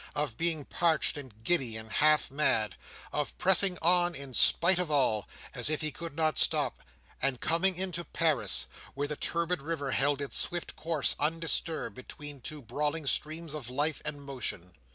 Of being parched and giddy, and half mad. Of pressing on, in spite of all, as if he could not stop, and coming into Paris, where the turbid river held its swift course undisturbed, between two brawling streams of life and motion.